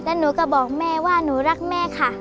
แล้วหนูก็บอกแม่ว่าหนูรักแม่ค่ะ